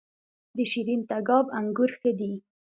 د شیرین تګاب انګور ښه دي